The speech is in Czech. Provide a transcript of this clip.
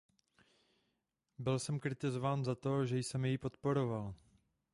Byl jsem kritizován za to, že jsem jej podporoval.